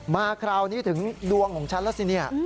มาคราวนี้ถึงดวงของฉันแล้วสิเนี่ย